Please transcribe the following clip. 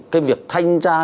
cái việc thanh tra